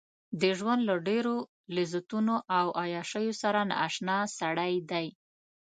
د ژوند له ډېرو لذتونو او عياشيو سره نااشنا سړی دی.